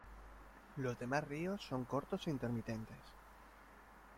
Los demás ríos son cortos e intermitentes.